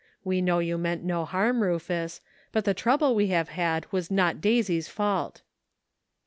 We know you meant no harm, Rufus, but the trouble we have had was not Daisy's fault."